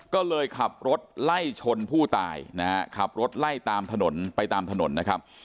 ก็เลยขับรถไล่ชนผู้ตายนะฮะขับรถไล่ตามถนนไปตามถนนนะครับ